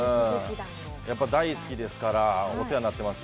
大好きですから、お世話になってますし。